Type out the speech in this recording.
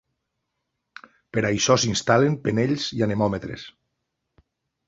Per a això s'instal·len penells i anemòmetres.